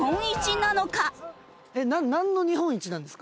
なんの日本一なんですか？